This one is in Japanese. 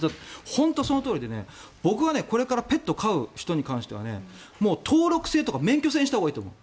本当にそのとおりで僕はこれからペット飼う人に関しては登録制とか免許制にしたほうがいいと思う。